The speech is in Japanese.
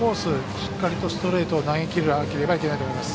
しっかりとストレートを投げきらなければいけないです。